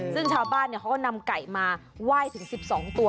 ซึ่งชาวบ้านเนี่ยเขาก็นำไก่มาว่ายถึง๑๒ตัว